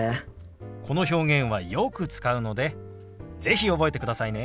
この表現はよく使うので是非覚えてくださいね。